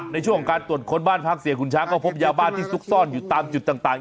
ในช่วงของการตรวจค้นบ้านพักเสียขุนช้างก็พบยาบ้านที่ซุกซ่อนอยู่ตามจุดต่าง